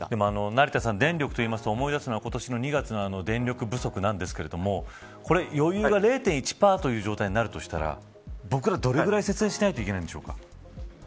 成田さん電力というと思い出すのは今年２月の電力不足なんですけど余裕が０．１％となるとしたら僕ら、どれぐらい節電しないといけないんでしょうか。